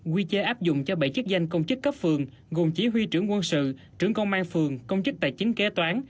quy chế áp dụng cho bảy chức danh công chức cấp phường gồm chỉ huy trưởng quân sự trưởng công an phường công chức tài chính kế toán